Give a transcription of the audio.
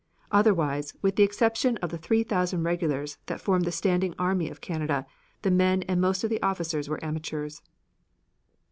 Otherwise, with the exception of the 3,000 regulars that formed the standing army of Canada, the men and most of the officers were amateurs.